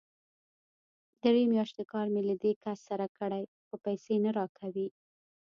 درې مياشتې کار مې له دې کس سره کړی، خو پيسې نه راکوي!